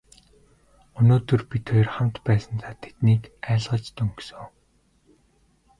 Өнөөдөр бид хоёр хамт байсандаа тэднийг айлгаж дөнгөсөн.